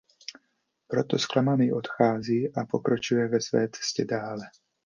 Proto zklamaný odchází a pokračuje ve své cestě dále.